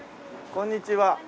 こんにちは。